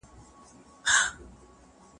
هغه د سولې پيغام خپراوه.